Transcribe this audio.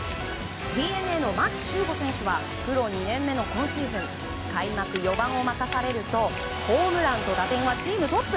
ＤｅＮＡの牧秀悟選手はプロ２年目の今シーズン開幕４番を任されるとホームランと打点はチームトップ。